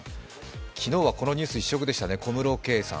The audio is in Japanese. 昨日はこのニュース一色でしたね、小室圭さん。